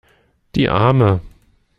Die Arme!